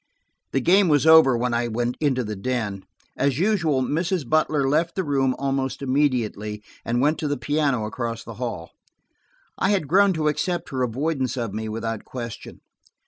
The game was over when I went into the den. As usual, Mrs. Butler left the room almost immediately, and went to the piano across the hall. I had grown to accept her avoidance of me without question.